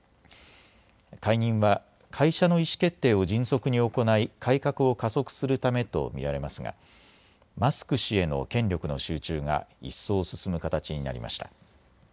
解任は会社の意思決定を迅速に行い改革を加速するためと見られますがマスク氏への権力の集中が一層進む形になりました。